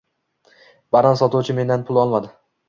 Banan sotuvchi mendan pul olmadi.